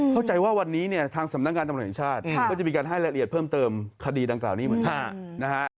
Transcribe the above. เข้าใจว่าวันนี้เนี่ยทางสำนักงานตำรวจแห่งชาติก็จะมีการให้รายละเอียดเพิ่มเติมคดีดังกล่าวนี้เหมือนกันนะฮะ